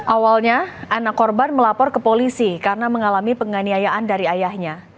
awalnya anak korban melapor ke polisi karena mengalami penganiayaan dari ayahnya